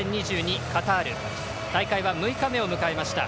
カタール大会は６日目を迎えました。